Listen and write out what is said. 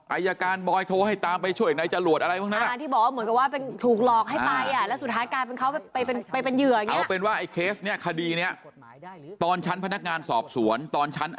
อายการบอยโทรให้ตามไปช่วยนายจรวดอะไรบ้างนะ